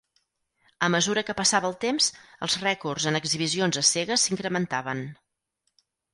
A mesura que passava el temps, els rècords en exhibicions a cegues s'incrementaven.